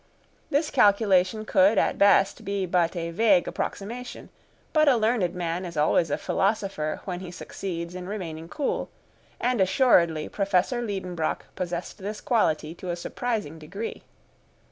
This calculation could, at best, be but a vague approximation; but a learned man is always a philosopher when he succeeds in remaining cool, and assuredly Professor Liedenbrock possessed this quality to a surprising degree.